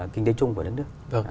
kinh tế chung của đất nước